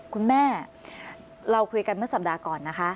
คุณแม่เราคุยกันเมื่อสัปดาห์ก่อนนะคะ